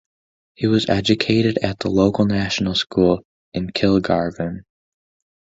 He was educated at the local national school in Kilgarvan.